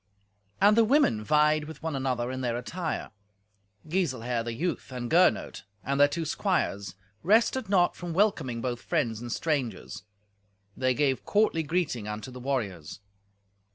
And the women vied with one another in their attire. Giselher, the youth, and Gernot, and their two squires, rested not from welcoming both friends and strangers. They gave courtly greeting unto the warriors.